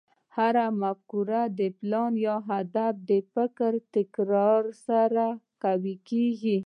هره مفکوره، پلان، يا هدف د فکري تکرار سره پياوړی کېږي.